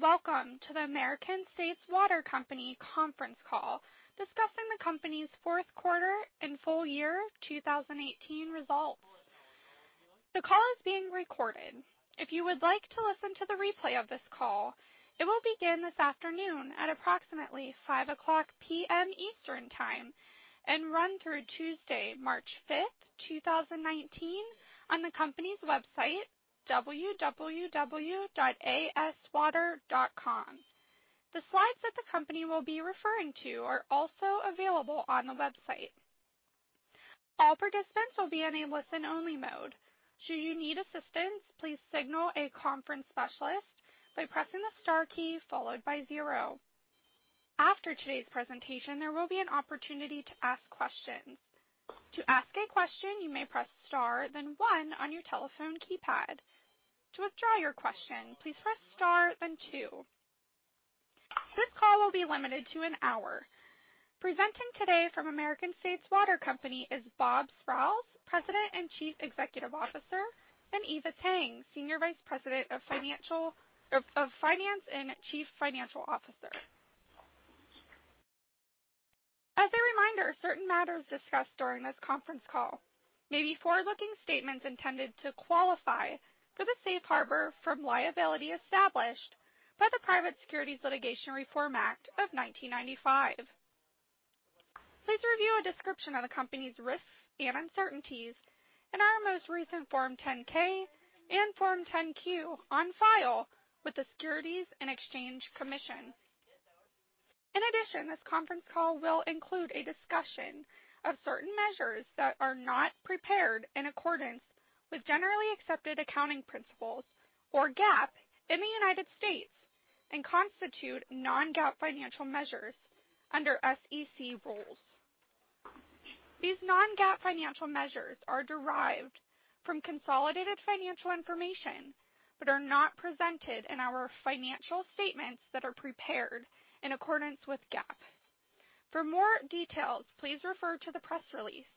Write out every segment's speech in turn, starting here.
Welcome to the American States Water Company conference call discussing the company's fourth quarter and full year 2018 results. The call is being recorded. If you would like to listen to the replay of this call, it will begin this afternoon at approximately 5:00 P.M. Eastern Time and run through Tuesday, March 5th, 2019, on the company's website, www.aswater.com. The slides that the company will be referring to are also available on the website. All participants will be in a listen-only mode. Should you need assistance, please signal a conference specialist by pressing the star key followed by zero. After today's presentation, there will be an opportunity to ask questions. To ask a question, you may press star, then one on your telephone keypad. To withdraw your question, please press star, then two. This call will be limited to an hour. Presenting today from American States Water Company is Robert Sprowls, President and Chief Executive Officer, and Eva Tang, Senior Vice President of Finance and Chief Financial Officer. As a reminder, certain matters discussed during this conference call may be forward-looking statements intended to qualify for the safe harbor from liability established by the Private Securities Litigation Reform Act of 1995. Please review a description of the company's risks and uncertainties in our most recent Form 10-K and Form 10-Q on file with the Securities and Exchange Commission. In addition, this conference call will include a discussion of certain measures that are not prepared in accordance with generally accepted accounting principles, or GAAP, in the United States and constitute non-GAAP financial measures under SEC rules. These non-GAAP financial measures are derived from consolidated financial information but are not presented in our financial statements that are prepared in accordance with GAAP. For more details, please refer to the press release.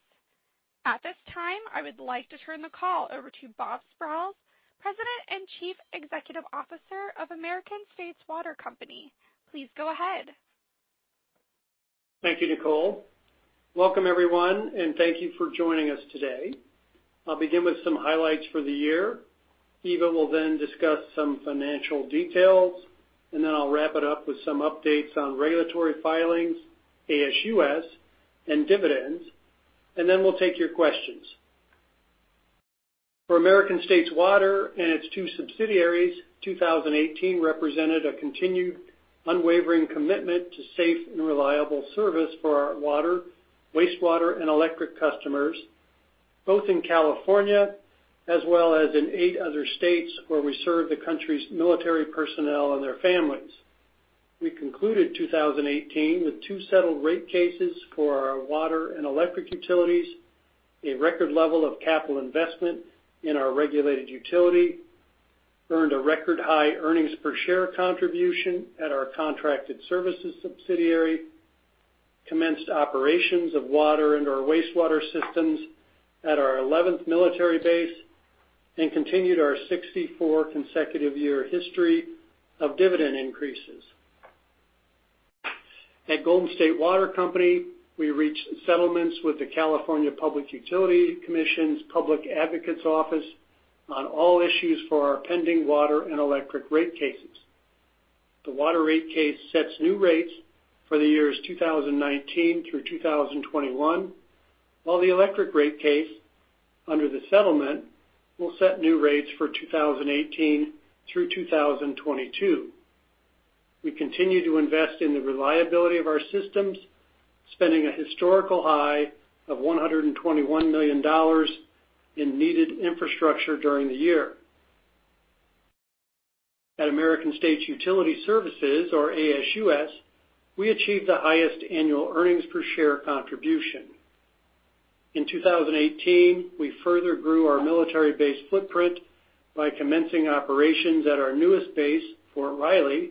At this time, I would like to turn the call over to Bob Sprowls, President and Chief Executive Officer of American States Water Company. Please go ahead. Thank you, Nicole. Welcome, everyone, and thank you for joining us today. I'll begin with some highlights for the year. Eva will then discuss some financial details, and then I'll wrap it up with some updates on regulatory filings, ASUS, and dividends, and then we'll take your questions. For American States Water and its two subsidiaries, 2018 represented a continued unwavering commitment to safe and reliable service for our water, wastewater, and electric customers, both in California as well as in eight other states where we serve the country's military personnel and their families. We concluded 2018 with two settled rate cases for our water and electric utilities, a record level of capital investment in our regulated utility, earned a record-high earnings per share contribution at our contracted services subsidiary, commenced operations of water and/or wastewater systems at our 11th military base, and continued our 64 consecutive year history of dividend increases. At Golden State Water Company, we reached settlements with the California Public Utilities Commission's Public Advocates Office on all issues for our pending water and electric rate cases. The water rate case sets new rates for the years 2019 through 2021, while the electric rate case, under the settlement, will set new rates for 2018 through 2022. We continue to invest in the reliability of our systems, spending a historical high of $121 million in needed infrastructure during the year. At American States Utility Services, or ASUS, we achieved the highest annual earnings per share contribution. In 2018, we further grew our military base footprint by commencing operations at our newest base, Fort Riley,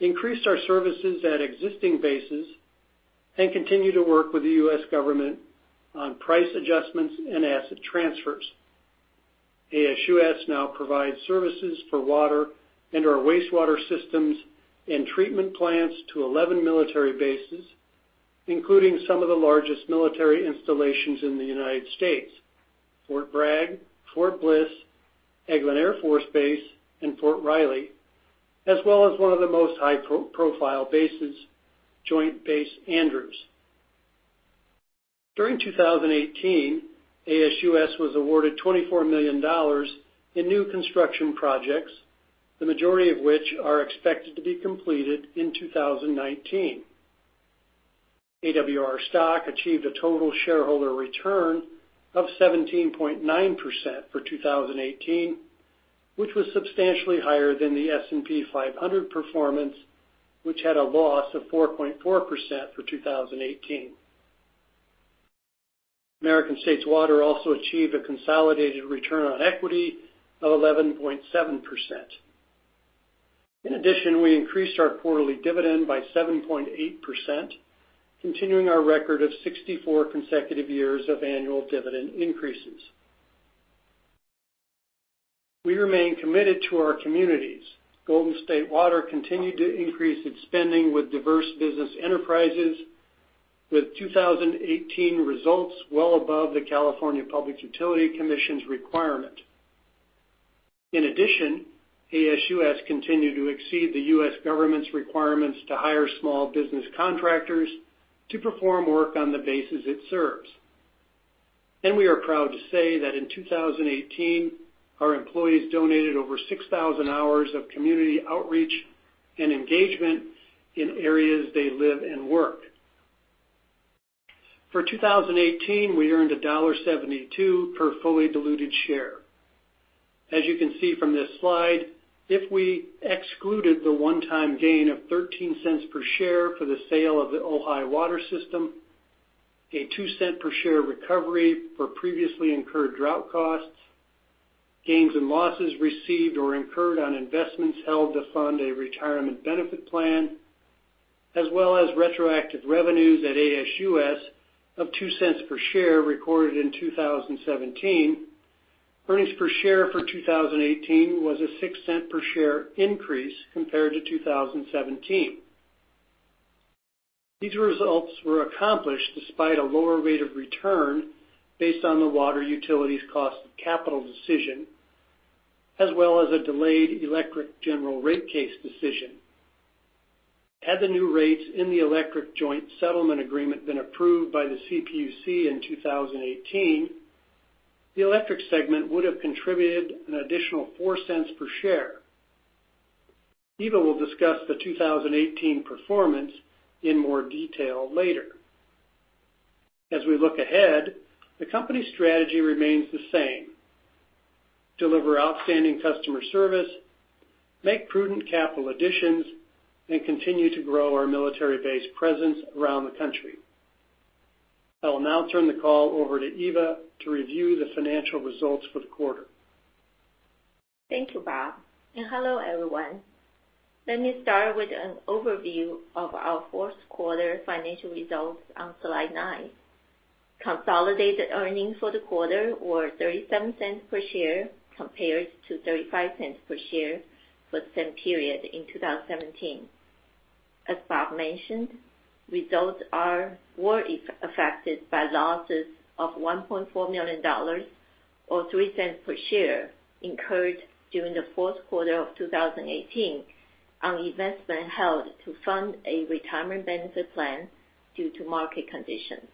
increased our services at existing bases, and continue to work with the U.S. government on price adjustments and asset transfers. ASUS now provides services for water and/or wastewater systems and treatment plants to 11 military bases, including some of the largest military installations in the United States: Fort Bragg, Fort Bliss, Eglin Air Force Base, and Fort Riley, as well as one of the most high-profile bases, Joint Base Andrews. During 2018, ASUS was awarded $24 million in new construction projects, the majority of which are expected to be completed in 2019. AWR stock achieved a total shareholder return of 17.9% for 2018, which was substantially higher than the S&P 500 performance, which had a loss of 4.4% for 2018. American States Water also achieved a consolidated return on equity of 11.7%. In addition, we increased our quarterly dividend by 7.8%, continuing our record of 64 consecutive years of annual dividend increases. We remain committed to our communities. Golden State Water continued to increase its spending with diverse business enterprises, with 2018 results well above the California Public Utilities Commission's requirement. In addition, ASUS continued to exceed the U.S. government's requirements to hire small business contractors to perform work on the bases it serves. We are proud to say that in 2018, our employees donated over 6,000 hours of community outreach and engagement in areas they live and work. For 2018, we earned $1.72 per fully diluted share. As you can see from this slide, if we excluded the one-time gain of $0.13 per share for the sale of the Ojai Water System, a $0.02 per share recovery for previously incurred drought costs, gains and losses received or incurred on investments held to fund a retirement benefit plan, as well as retroactive revenues at ASUS of $0.02 per share recorded in 2017, earnings per share for 2018 was a $0.06 per share increase compared to 2017. These results were accomplished despite a lower rate of return based on the water utilities' cost of capital decision, as well as a delayed electric general rate case decision. Had the new rates in the electric joint settlement agreement been approved by the CPUC in 2018, the electric segment would have contributed an additional $0.04 per share. Eva will discuss the 2018 performance in more detail later. As we look ahead, the company's strategy remains the same: deliver outstanding customer service, make prudent capital additions, and continue to grow our military base presence around the country. I will now turn the call over to Eva to review the financial results for the quarter. Thank you, Bob. Hello, everyone. Let me start with an overview of our fourth quarter financial results on slide nine. Consolidated earnings for the quarter were $0.37 per share, compared to $0.35 per share for the same period in 2017. As Bob mentioned, results were affected by losses of $1.4 million, or $0.03 per share, incurred during the fourth quarter of 2018 on investment held to fund a retirement benefit plan due to market conditions,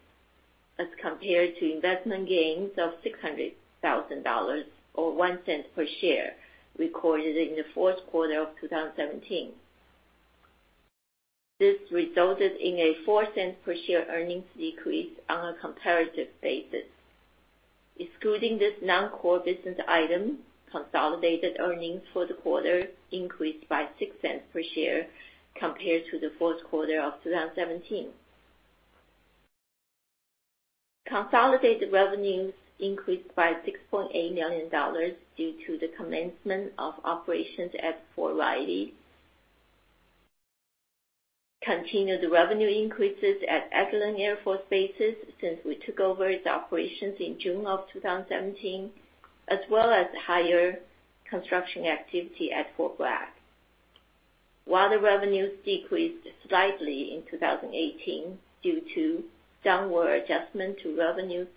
as compared to investment gains of $600,000, or $0.01 per share, recorded in the fourth quarter of 2017. This resulted in a $0.04 per share earnings decrease on a comparative basis. Excluding this non-core business item, consolidated earnings for the quarter increased by $0.06 per share compared to the fourth quarter of 2017. Consolidated revenues increased by $6.8 million due to the commencement of operations at Fort Riley, continued revenue increases at Eglin Air Force Base since we took over its operations in June of 2017, as well as higher construction activity at Fort Bragg. While the revenues decreased slightly in 2018 due to downward adjustment to revenues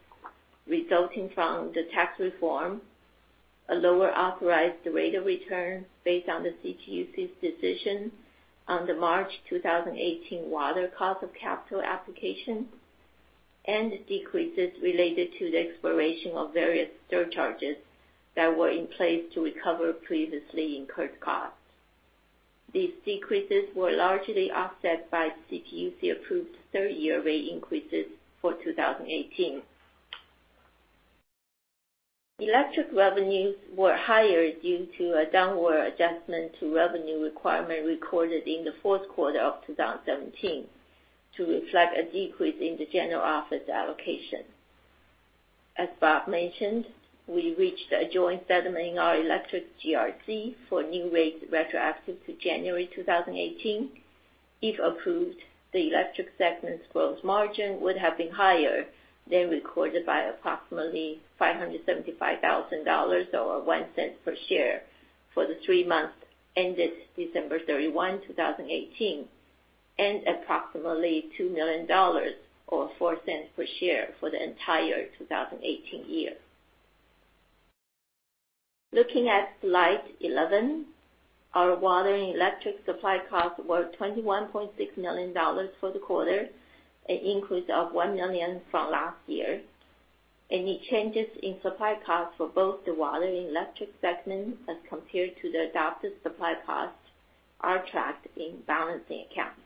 resulting from the tax reform, a lower authorized rate of return based on the CPUC's decision on the March 2018 water cost of capital application, and decreases related to the expiration of various surcharges that were in place to recover previously incurred costs. These decreases were largely offset by CPUC-approved third-year rate increases for 2018. Electric revenues were higher due to a downward adjustment to revenue requirement recorded in the fourth quarter of 2017 to reflect a decrease in the general office allocation. As Bob mentioned, we reached a joint settlement in our electric GRC for new rates retroactive to January 2018. If approved, the electric segment's growth margin would have been higher than recorded by approximately $575,000, or $0.01 per share for the three months ended December 31, 2018, and approximately $2 million, or $0.04 per share for the entire 2018 year. Looking at slide 11, our water and electric supply costs were $21.6 million for the quarter, an increase of $1 million from last year. Any changes in supply costs for both the water and electric segments as compared to the adopted supply costs are tracked in balancing accounts.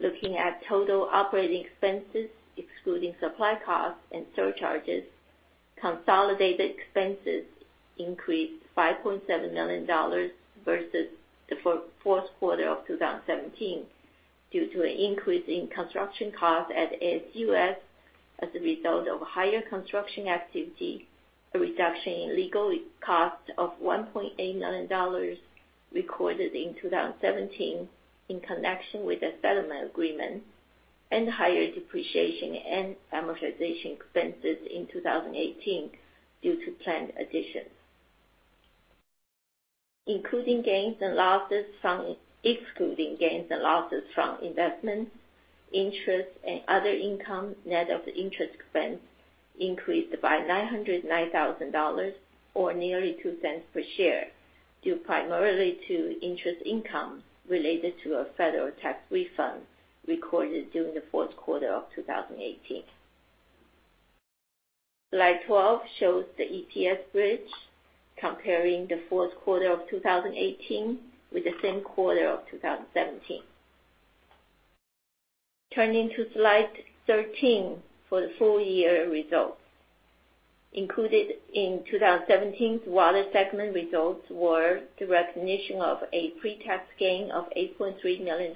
Looking at total operating expenses, excluding supply costs and surcharges, consolidated expenses increased $5.7 million versus the fourth quarter of 2017 due to an increase in construction costs at ASUS as a result of higher construction activity, a reduction in legal costs of $1.8 million recorded in 2017 in connection with a settlement agreement. Higher depreciation and amortization expenses in 2018 due to plant additions. Excluding gains and losses from investments, interest and other income, net of interest expense increased by $909,000 or nearly $0.02 per share due primarily to interest income related to a federal tax refund recorded during the fourth quarter of 2018. Slide 12 shows the EPS bridge comparing the fourth quarter of 2018 with the same quarter of 2017. Turning to slide 13 for the full-year results. Included in 2017's Water segment results were the recognition of a pre-tax gain of $8.3 million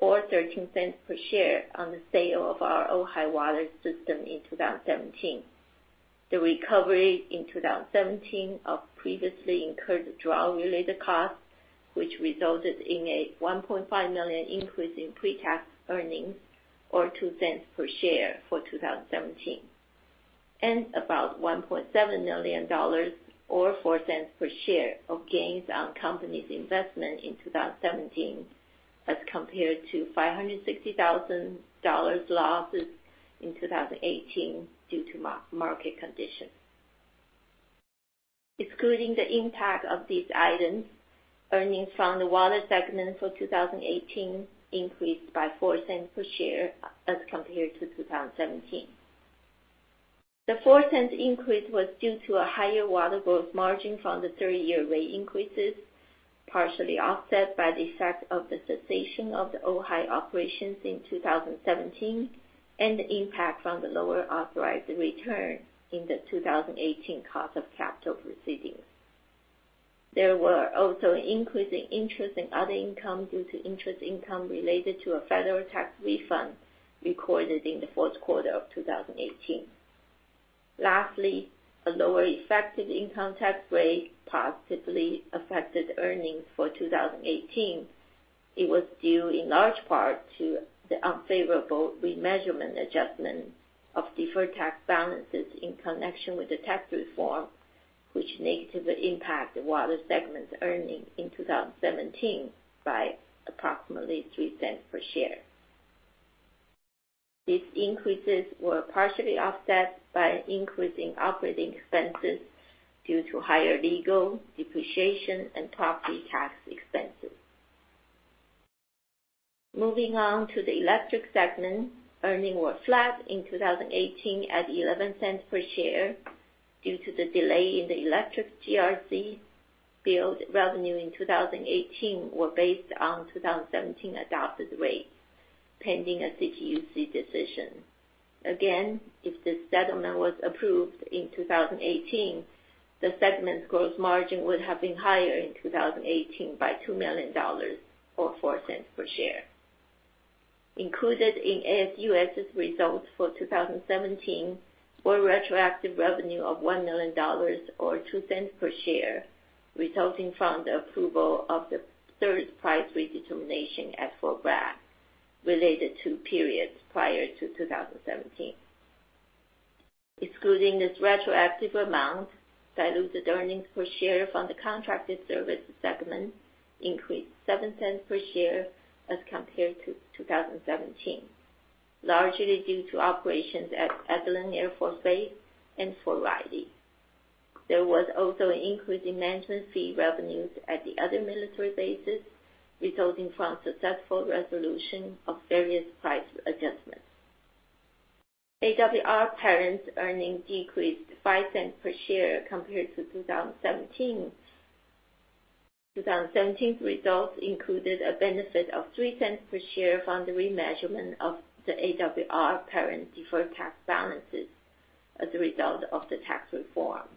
or $0.13 per share on the sale of our Ojai Water System in 2017. The recovery in 2017 of previously incurred drought-related costs, which resulted in a $1.5 million increase in pre-tax earnings or $0.02 per share for 2017, and about $1.7 million or $0.04 per share of gains on company's investment in 2017 as compared to $560,000 losses in 2018 due to market condition. Excluding the impact of these items, earnings from the Water segment for 2018 increased by $0.04 per share as compared to 2017. The $0.04 increase was due to a higher water growth margin from the three-year rate increases, partially offset by the effect of the cessation of the Ojai operations in 2017 and the impact from the lower authorized return in the 2018 cost of capital proceedings. There was also an increase in interest in other income due to interest income related to a federal tax refund recorded in the fourth quarter of 2018. Lastly, a lower effective income tax rate positively affected earnings for 2018. It was due in large part to the unfavorable remeasurement adjustment of deferred tax balances in connection with the tax reform, which negatively impacted the Water segment's earnings in 2017 by approximately $0.03 per share. These increases were partially offset by increasing operating expenses due to higher legal depreciation and property tax expenses. Moving on to the Electric segment. Earnings were flat in 2018 at $0.11 per share due to the delay in the electric GRC billed revenue in 2018 were based on 2017 adopted rates pending a CPUC decision. Again, if the settlement was approved in 2018, the segment's gross margin would have been higher in 2018 by $2 million or $0.04 per share. Included in ASUS' results for 2017 were retroactive revenue of $1 million or $0.02 per share resulting from the approval of the third price redetermination at Fort Bragg related to periods prior to 2017. Excluding this retroactive amount, diluted earnings per share from the contracted service segment increased $0.07 per share as compared to 2017. Largely due to operations at Eglin Air Force Base and Fort Riley. There was also an increase in management fee revenues at the other military bases resulting from successful resolution of various price adjustments. AWR Parent's earnings decreased $0.05 per share compared to 2017. 2017's results included a benefit of $0.03 per share from the remeasurement of the AWR Parent deferred tax balances as a result of the tax reform.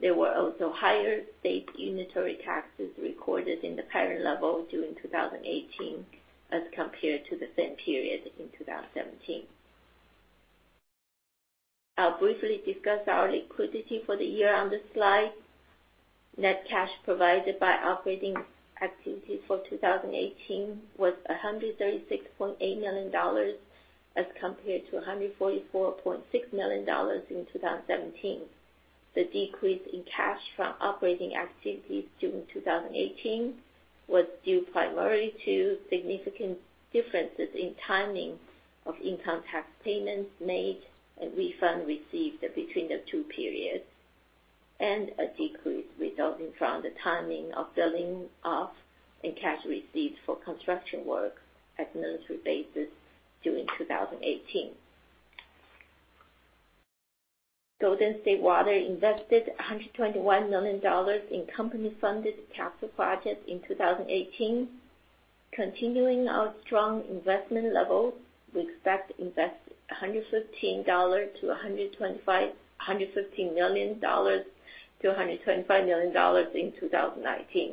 There were also higher state unitary taxes recorded in the parent level during 2018 as compared to the same period in 2017. I'll briefly discuss our liquidity for the year on this slide. Net cash provided by operating activities for 2018 was $136.8 million as compared to $144.6 million in 2017. The decrease in cash from operating activities during 2018 was due primarily to significant differences in timing of income tax payments made and refund received between the two periods, and a decrease resulting from the timing of billing off and cash received for construction work at military bases during 2018. Golden State Water invested $121 million in company-funded capital projects in 2018. Continuing our strong investment level, we expect to invest $115 million-$125 million in 2019.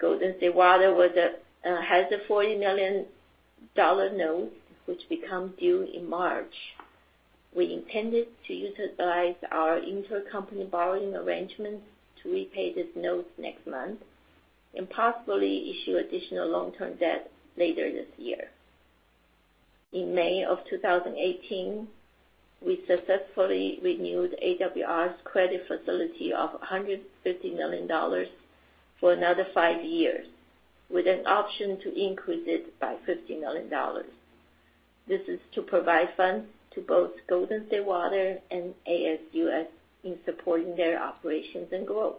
Golden State Water has a $40 million note which become due in March. We intended to utilize our intercompany borrowing arrangements to repay this note next month and possibly issue additional long-term debt later this year. In May of 2018, we successfully renewed AWR's credit facility of $150 million for another five years, with an option to increase it by $50 million. This is to provide funds to both Golden State Water and ASUS in supporting their operations and growth.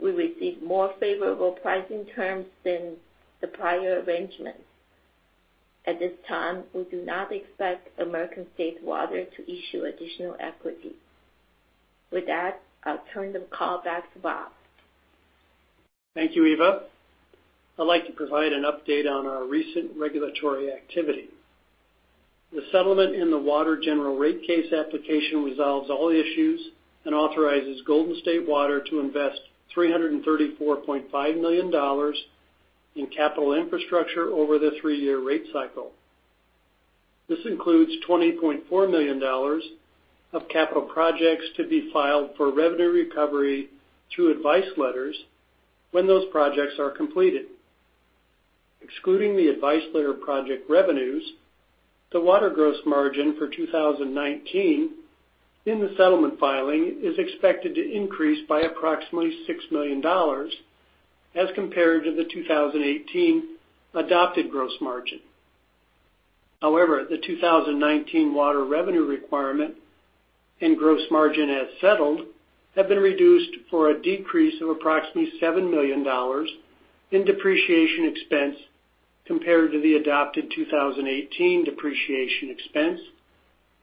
We received more favorable pricing terms than the prior arrangements. At this time, we do not expect American States Water to issue additional equity. With that, I'll turn the call back to Bob. Thank you, Eva. I'd like to provide an update on our recent regulatory activity. The settlement in the water general rate case application resolves all issues and authorizes Golden State Water to invest $334.5 million in capital infrastructure over the three-year rate cycle. This includes $20.4 million of capital projects to be filed for revenue recovery through advice letters when those projects are completed. Excluding the advice letter project revenues, the water gross margin for 2019 in the settlement filing is expected to increase by approximately $6 million as compared to the 2018 adopted gross margin. However, the 2019 water revenue requirement and gross margin as settled, have been reduced for a decrease of approximately $7 million in depreciation expense compared to the adopted 2018 depreciation expense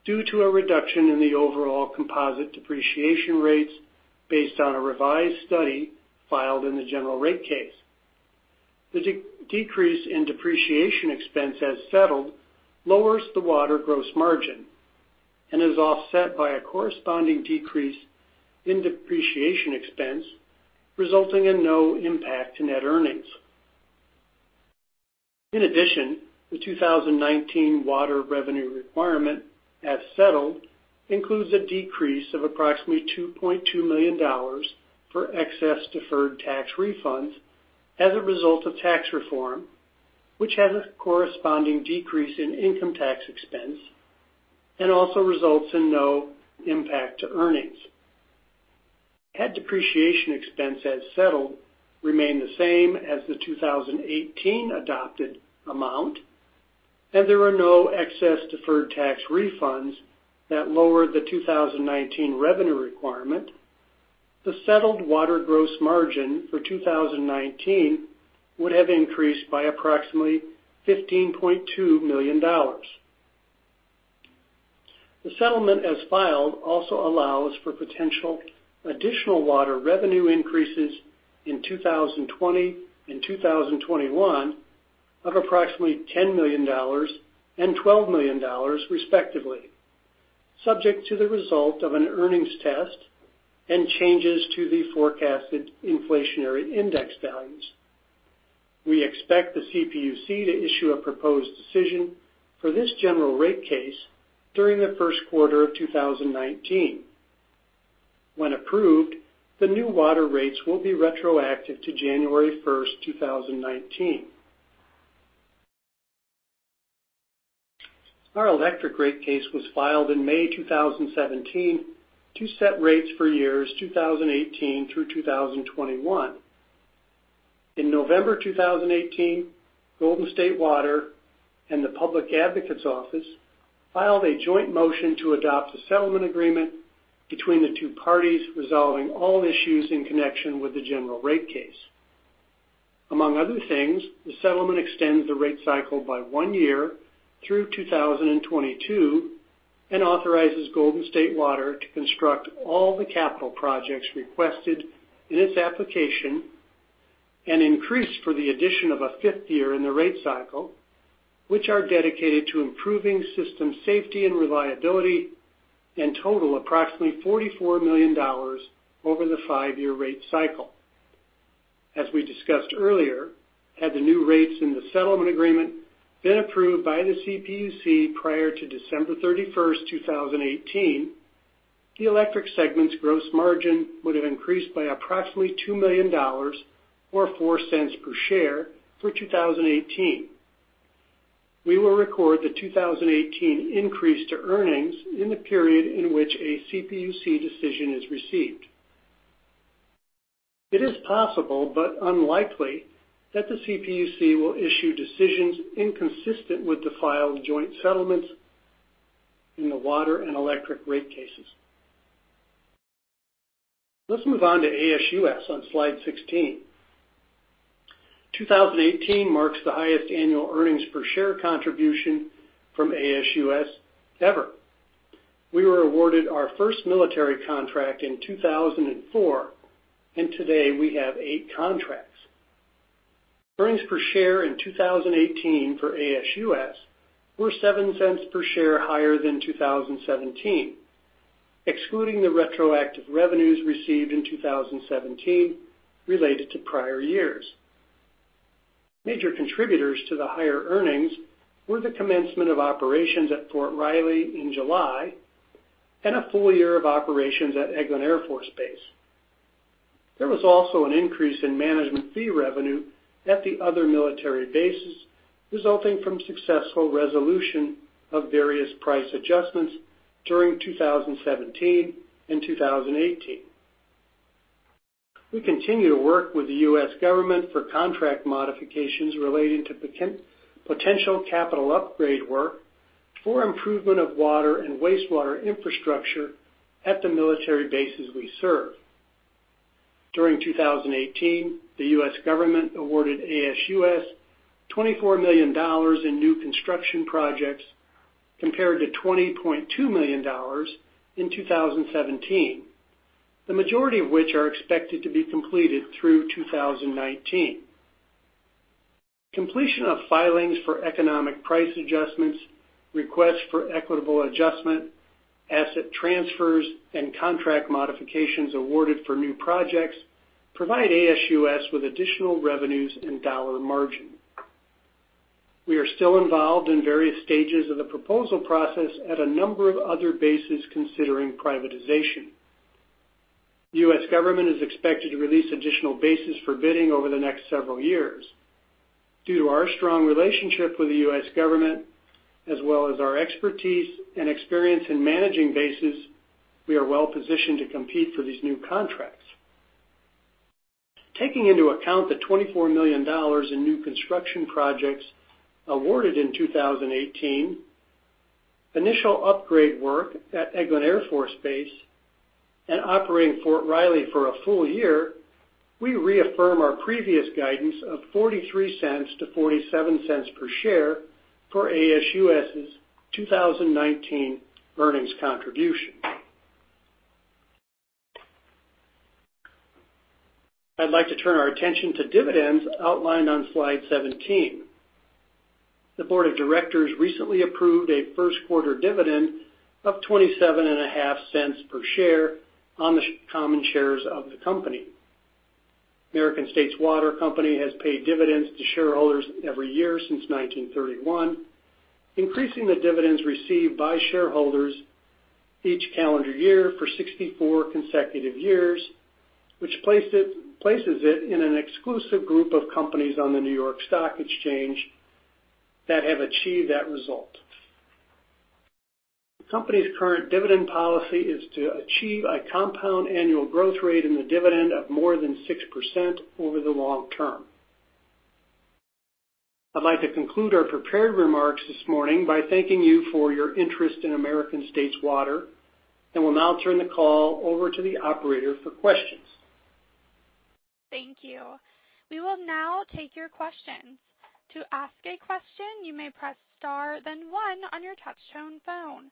due to a reduction in the overall composite depreciation rates based on a revised study filed in the general rate case. The decrease in depreciation expense as settled lowers the water gross margin and is offset by a corresponding decrease in depreciation expense, resulting in no impact to net earnings. In addition, the 2019 water revenue requirement as settled includes a decrease of approximately $2.2 million for excess deferred tax refunds as a result of tax reform, which has a corresponding decrease in income tax expense and also results in no impact to earnings. Had depreciation expense as settled remained the same as the 2018 adopted amount, and there were no excess deferred tax refunds that lowered the 2019 revenue requirement, the settled water gross margin for 2019 would have increased by approximately $15.2 million. The settlement as filed also allows for potential additional water revenue increases in 2020 and 2021 of approximately $10 million and $12 million, respectively, subject to the result of an earnings test and changes to the forecasted inflationary index values. We expect the CPUC to issue a proposed decision for this general rate case during the first quarter of 2019. When approved, the new water rates will be retroactive to January 1st, 2019. Our electric rate case was filed in May 2017 to set rates for years 2018 through 2021. In November 2018, Golden State Water and the Public Advocates Office filed a joint motion to adopt a settlement agreement between the two parties, resolving all issues in connection with the general rate case. Among other things, the settlement extends the rate cycle by one year through 2022 and authorizes Golden State Water to construct all the capital projects requested in its application, and increase for the addition of a fifth year in the rate cycle, which are dedicated to improving system safety and reliability, and total approximately $44 million over the five-year rate cycle. As we discussed earlier, had the new rates in the settlement agreement been approved by the CPUC prior to December 31st, 2018, the electric segment's gross margin would have increased by approximately $2 million, or $0.04 per share for 2018. We will record the 2018 increase to earnings in the period in which a CPUC decision is received. It is possible, but unlikely, that the CPUC will issue decisions inconsistent with the filed joint settlements in the water and electric rate cases. Let's move on to ASUS on slide 16. 2018 marks the highest annual earnings per share contribution from ASUS ever. We were awarded our first military contract in 2004, and today we have eight contracts. Earnings per share in 2018 for ASUS were $0.07 per share higher than 2017, excluding the retroactive revenues received in 2017 related to prior years. Major contributors to the higher earnings were the commencement of operations at Fort Riley in July and a full year of operations at Eglin Air Force Base. There was also an increase in management fee revenue at the other military bases, resulting from successful resolution of various price adjustments during 2017 and 2018. We continue to work with the U.S. government for contract modifications relating to potential capital upgrade work for improvement of water and wastewater infrastructure at the military bases we serve. During 2018, the U.S. government awarded ASUS $24 million in new construction projects compared to $20.2 million in 2017. The majority of which are expected to be completed through 2019. Completion of filings for economic price adjustments, requests for equitable adjustment, asset transfers, and contract modifications awarded for new projects provide ASUS with additional revenues and dollar margin. We are still involved in various stages of the proposal process at a number of other bases considering privatization. The U.S. government is expected to release additional bases for bidding over the next several years. Due to our strong relationship with the U.S. government, as well as our expertise and experience in managing bases, we are well-positioned to compete for these new contracts. Taking into account the $24 million in new construction projects awarded in 2018, initial upgrade work at Eglin Air Force Base and operating Fort Riley for a full year, we reaffirm our previous guidance of $0.43-$0.47 per share for ASUS's 2019 earnings contribution. I'd like to turn our attention to dividends outlined on slide 17. The board of directors recently approved a first quarter dividend of $0.275 per share on the common shares of the company. American States Water Company has paid dividends to shareholders every year since 1931, increasing the dividends received by shareholders each calendar year for 64 consecutive years, which places it in an exclusive group of companies on the New York Stock Exchange that have achieved that result. The company's current dividend policy is to achieve a compound annual growth rate in the dividend of more than 6% over the long term. I'd like to conclude our prepared remarks this morning by thanking you for your interest in American States Water, will now turn the call over to the operator for questions. Thank you. We will now take your questions. To ask a question, you may press star then one on your touchtone phone.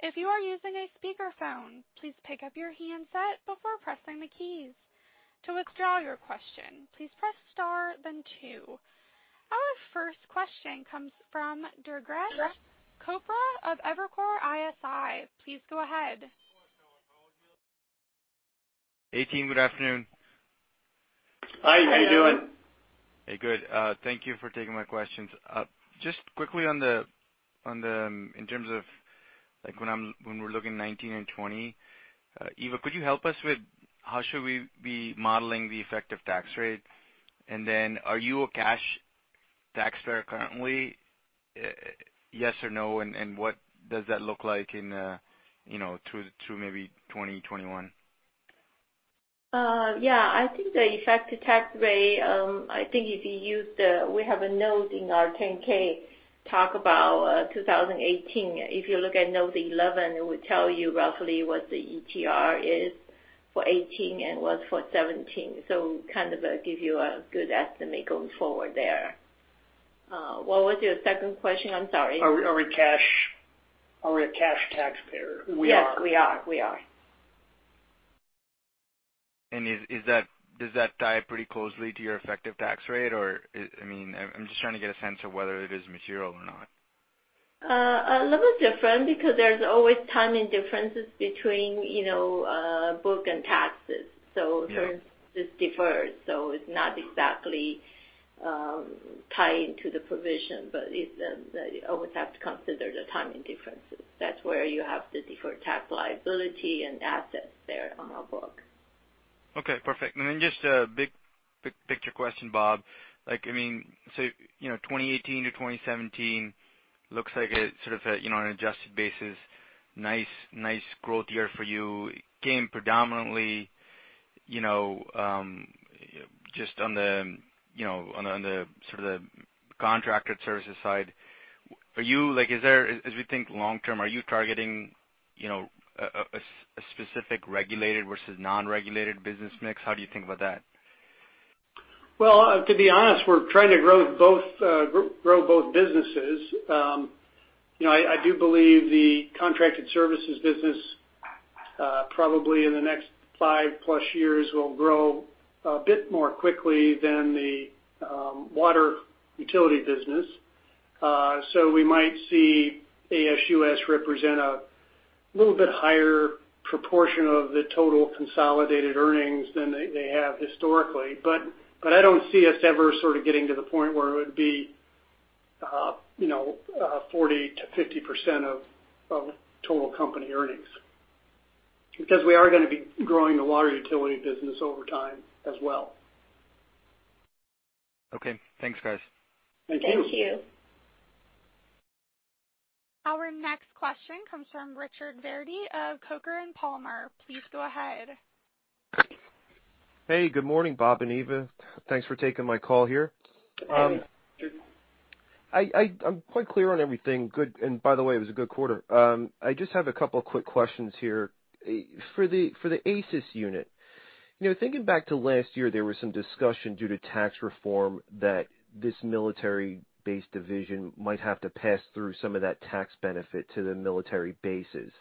If you are using a speakerphone, please pick up your handset before pressing the keys. To withdraw your question, please press star then two. Our first question comes from Durgesh Chopra of Evercore ISI. Please go ahead. Hey, team. Good afternoon. Hi. How are you doing? Hey, good. Thank you for taking my questions. Just quickly in terms of when we're looking at 2019 and 2020, Eva, could you help us with how should we be modeling the effective tax rate? Are you a cash taxpayer currently, yes or no, and what does that look like through maybe 2021? I think the effective tax rate, I think if you use We have a note in our 10-K talk about 2018. If you look at note 11, it will tell you roughly what the ETR is for 2018 and was for 2017. Kind of give you a good estimate going forward there. What was your second question? I'm sorry. Are we a cash taxpayer? We are. Yes. We are. Does that tie pretty closely to your effective tax rate? I'm just trying to get a sense of whether it is material or not. A little different because there's always timing differences between book and taxes. In turn, it's deferred. It's not exactly tied into the provision, but you always have to consider the timing differences. That's where you have the deferred tax liability and assets there on our book. Okay, perfect. Then just a big picture question, Bob. 2018 to 2017 looks like sort of an adjusted basis, nice growth year for you. It came predominantly just on the sort of the contracted services side. As we think long term, are you targeting a specific regulated versus non-regulated business mix? How do you think about that? To be honest, we're trying to grow both businesses. I do believe the contracted services business probably in the next 5+ years will grow a little bit more quickly than the water utility business. We might see ASUS represent a little bit higher proportion of the total consolidated earnings than they have historically. I don't see us ever sort of getting to the point where it would be 40%-50% of total company earnings, because we are going to be growing the water utility business over time as well. Thanks, guys. Thank you. Thank you. Our next question comes from Richard Verdi of Coker & Palmer. Please go ahead. Hey, good morning, Bob and Eva. Thanks for taking my call here. Hey, Richard. I'm quite clear on everything. By the way, it was a good quarter. I just have a couple quick questions here. For the ASUS unit, thinking back to last year, there was some discussion due to tax reform that this military base division might have to pass through some of that tax benefit to the military bases.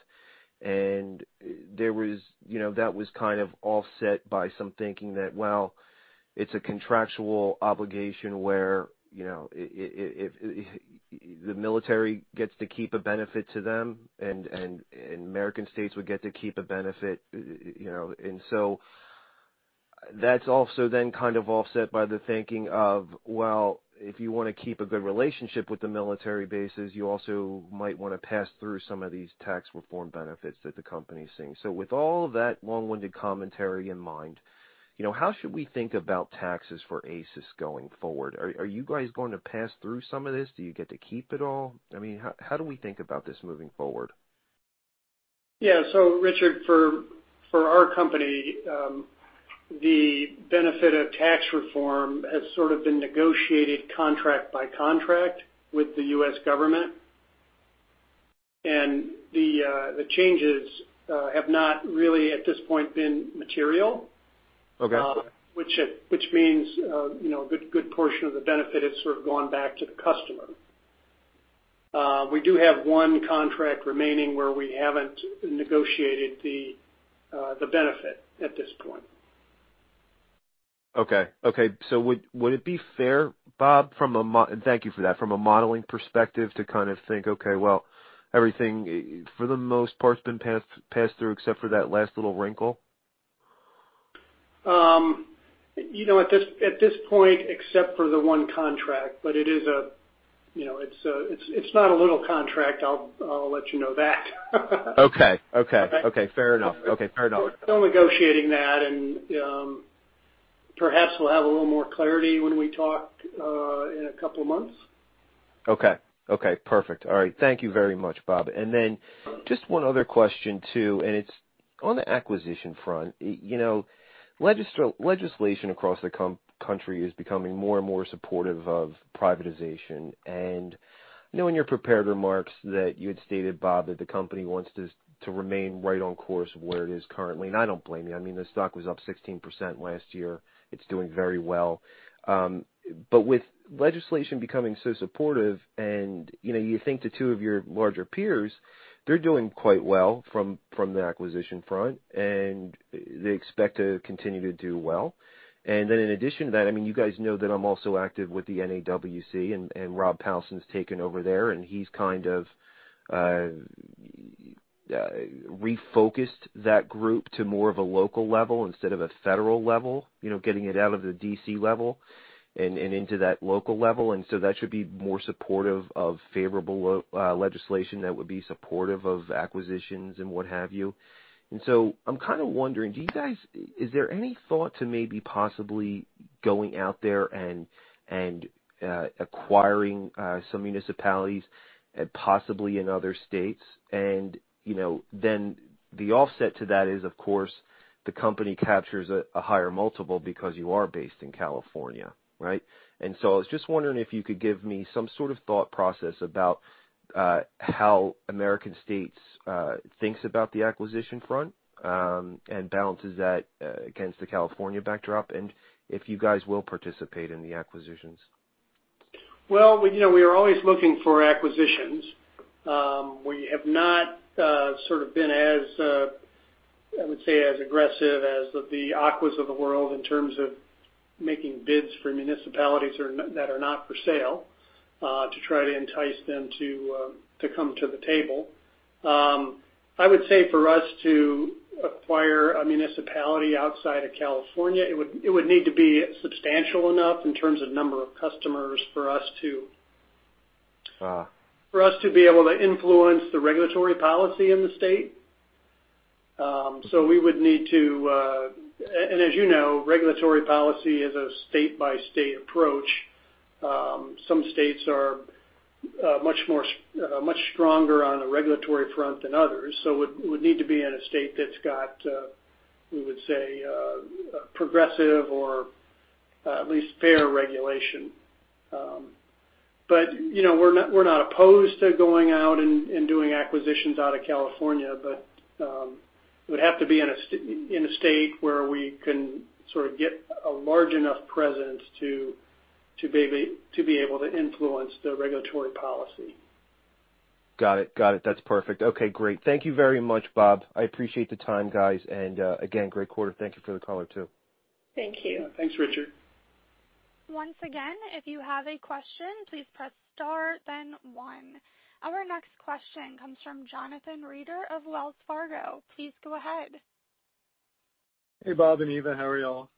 That was kind of offset by some thinking that, well, it's a contractual obligation where if the military gets to keep a benefit to them and American States would get to keep a benefit. So that's also then kind of offset by the thinking of, well, if you want to keep a good relationship with the military bases, you also might want to pass through some of these tax reform benefits that the company's seeing. With all of that long-winded commentary in mind, how should we think about taxes for ASUS going forward? Are you guys going to pass through some of this? Do you get to keep it all? How do we think about this moving forward? Richard, for our company, the benefit of tax reform has sort of been negotiated contract by contract with the U.S. government. The changes have not really, at this point, been material. Okay. Which means a good portion of the benefit has sort of gone back to the customer. We do have one contract remaining where we haven't negotiated the benefit at this point. Would it be fair, Bob, and thank you for that, from a modeling perspective to kind of think, okay, well, everything for the most part has been passed through except for that last little wrinkle? At this point, except for the one contract, but it's not a little contract, I'll let you know that. Okay. Fair enough. We're still negotiating that, perhaps we'll have a little more clarity when we talk in a couple of months. Okay. Perfect. All right. Thank you very much, Bob. Just one other question too, it's on the acquisition front. Legislation across the country is becoming more and more supportive of privatization. I know in your prepared remarks that you had stated, Bob, that the company wants to remain right on course where it is currently. I don't blame you. The stock was up 16% last year. It's doing very well. With legislation becoming so supportive and you think to two of your larger peers, they're doing quite well from the acquisition front, they expect to continue to do well. In addition to that, you guys know that I'm also active with the NAWC, and Rob Powelson's taken over there, and he's kind of refocused that group to more of a local level instead of a federal level, getting it out of the D.C. level and into that local level. That should be more supportive of favorable legislation that would be supportive of acquisitions and what have you. I'm kind of wondering, is there any thought to maybe possibly going out there and acquiring some municipalities, possibly in other states? The offset to that is, of course, the company captures a higher multiple because you are based in California. Right? I was just wondering if you could give me some sort of thought process about how American States thinks about the acquisition front, and balances that against the California backdrop. If you guys will participate in the acquisitions. We are always looking for acquisitions. We have not sort of been, I would say, as aggressive as the Aquas of the world in terms of making bids for municipalities that are not for sale, to try to entice them to come to the table. I would say for us to acquire a municipality outside of California, it would need to be substantial enough in terms of number of customers for us to be able to influence the regulatory policy in the state. As you know, regulatory policy is a state-by-state approach. Some states are much stronger on the regulatory front than others, so it would need to be in a state that's got, we would say, progressive or at least fair regulation. We're not opposed to going out and doing acquisitions out of California. It would have to be in a state where we can sort of get a large enough presence to be able to influence the regulatory policy. Got it. That's perfect. Okay, great. Thank you very much, Bob. I appreciate the time, guys. Again, great quarter. Thank you for the color, too. Thank you. Thanks, Richard. Once again, if you have a question, please press star then one. Our next question comes from Jonathan Reeder of Wells Fargo. Please go ahead. Hey, Bob and Eva. How are you all?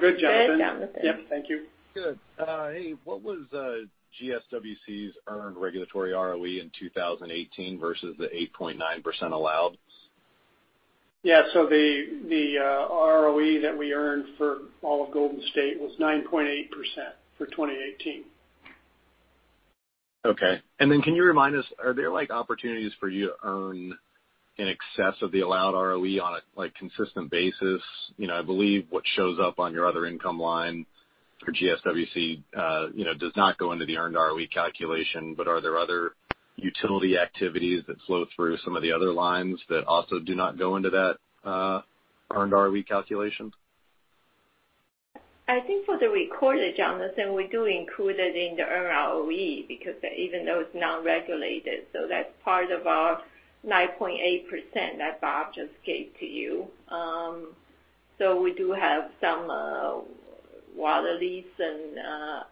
Good, Jonathan. Good, Jonathan. Yep, thank you. Good. Hey, what was GSWC's earned regulatory ROE in 2018 versus the 8.9% allowed? Yeah. The ROE that we earned for all of Golden State Water Company was 9.8% for 2018. Okay. Can you remind us, are there opportunities for you to earn in excess of the allowed ROE on a consistent basis? I believe what shows up on your other income line for GSWC does not go into the earned ROE calculation, are there other utility activities that flow through some of the other lines that also do not go into that earned ROE calculation? I think for the recorded, Jonathan, we do include it in the earned ROE, because even though it's non-regulated, that's part of our 9.8% that Bob just gave to you. We do have some water lease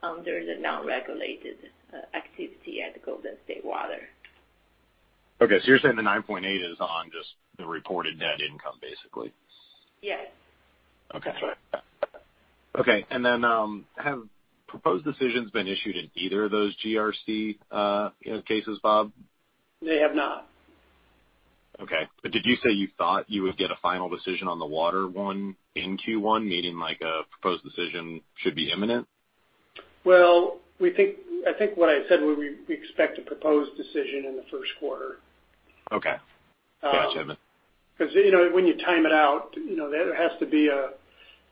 under the non-regulated activity at Golden State Water Company. Okay. You're saying the 9.8 is on just the reported net income, basically? Yes. Okay. That's right. Okay. Have proposed decisions been issued in either of those GRC cases, Bob? They have not. Okay. Did you say you thought you would get a final decision on the water one in Q1, meaning a proposed decision should be imminent? I think what I said, we expect a proposed decision in the first quarter. Okay. Gotcha. When you time it out, there has to be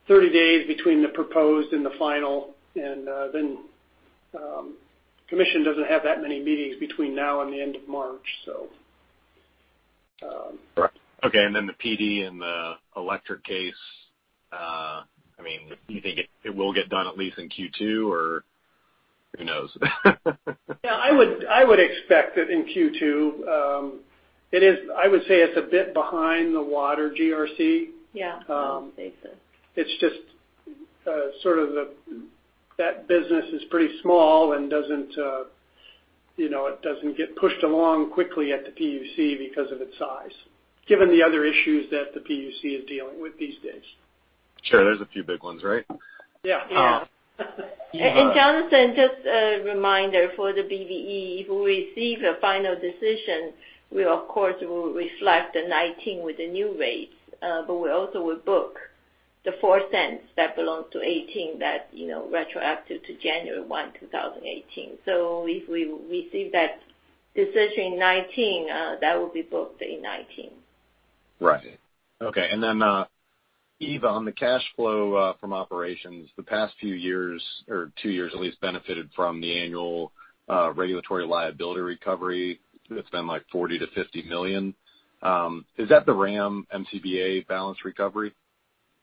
30 days between the proposed and the final, and then Commission doesn't have that many meetings between now and the end of March. Right. Okay, and then the PD and the electric case, do you think it will get done at least in Q2, or who knows? Yeah, I would expect it in Q2. I would say it's a bit behind the water GRC. Yeah. I would say so. It's just that business is pretty small and it doesn't get pushed along quickly at the PUC because of its size, given the other issues that the PUC is dealing with these days. Sure. There's a few big ones, right? Yeah. Yeah. Jonathan, just a reminder for the BDE, if we receive a final decision, we of course will reflect the 19 with the new rates. We also will book the $0.04 that belongs to 18 that retroactive to January 1, 2018. If we receive that decision in 19, that will be booked in 19. Right. Okay. Then, Eva, on the cash flow from operations, the past few years or two years at least benefited from the annual regulatory liability recovery. It's been $40 million-$50 million. Is that the WRAM MCBA balance recovery?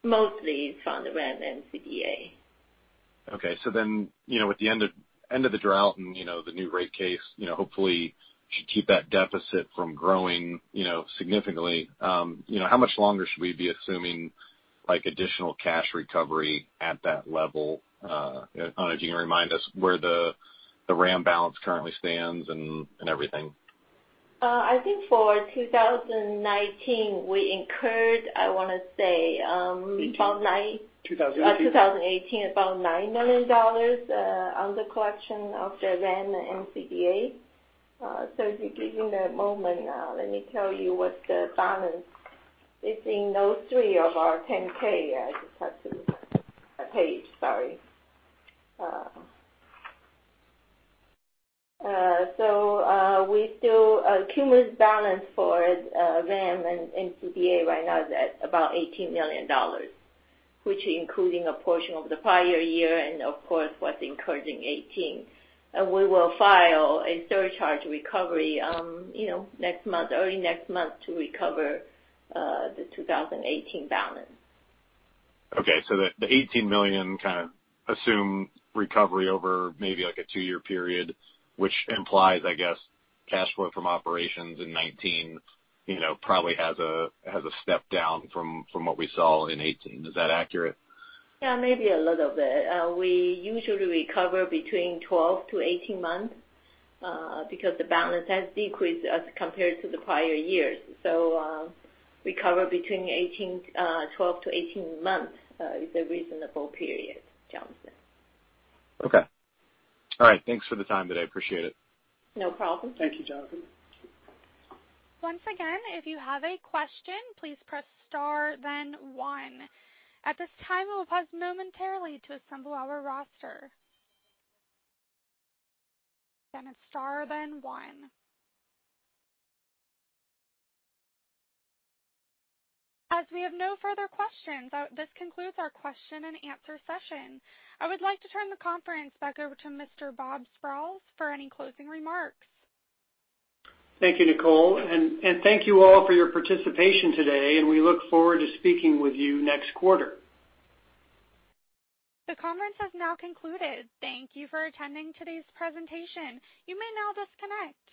Mostly from the WRAM MCBA. Okay. With the end of the drought and the new rate case, hopefully should keep that deficit from growing significantly. How much longer should we be assuming additional cash recovery at that level? I don't know if you can remind us where the WRAM balance currently stands and everything. I think for 2019 we incurred, I want to say- 2018. 2018 2018, about $9 million on the collection of the WRAM MCBA. If you give me a moment, let me tell you what the balance is in those three of our Form 10-K. I just have to a page. Sorry. Cumulative balance for WRAM and MCBA right now is at about $18 million, which including a portion of the prior year and of course what's incurred in 2018. We will file a surcharge recovery early next month to recover the 2018 balance. Okay. The $18 million kind of assume recovery over maybe a 2-year period, which implies, I guess cash flow from operations in 2019 probably has a step down from what we saw in 2018. Is that accurate? Yeah, maybe a little bit. We usually recover between 12-18 months, because the balance has decreased as compared to the prior years. Recover between 12-18 months is a reasonable period, Jonathan. Okay. All right. Thanks for the time today. Appreciate it. No problem. Thank you, Jonathan. Once again, if you have a question, please press star then one. At this time, we'll pause momentarily to assemble our roster. Again, it's star then one. As we have no further questions, this concludes our question and answer session. I would like to turn the conference back over to Mr. Bob Sprowls for any closing remarks. Thank you, Nicole. Thank you all for your participation today, and we look forward to speaking with you next quarter. The conference has now concluded. Thank you for attending today's presentation. You may now disconnect.